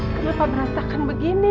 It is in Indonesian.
kenapa merasakan begini